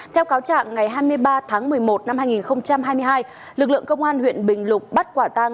theo cáo trạng ngày hai mươi ba tháng một mươi một năm hai nghìn hai mươi hai lực lượng công an huyện bình lục bắt quả tang